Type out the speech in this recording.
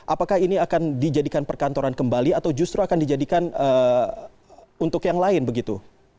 apakah ini akan dijadikan perkantoran kembali atau justru akan dijadikan untuk yang lain begitu